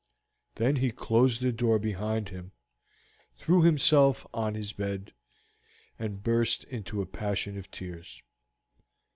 Then he closed the door behind him, threw himself on his bed, and burst into a passion of tears.